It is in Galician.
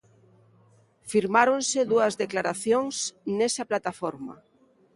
Firmáronse dúas declaracións nesa plataforma.